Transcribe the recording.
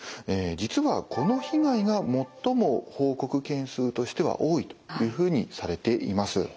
実はこの被害が最も報告件数としては多いというふうにされています。